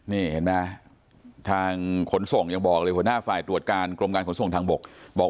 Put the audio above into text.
นี่เห็นไหมทางขนส่งยังบอกเลยหัวหน้าฝ่ายตรวจการกรมการขนส่งทางบกบอก